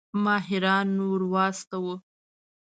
ماهران ورواستوو.